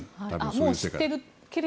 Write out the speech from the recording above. もう知っているけれど。